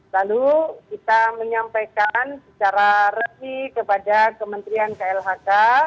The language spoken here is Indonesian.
lalu kita menyampaikan secara resmi kepada kementerian klhk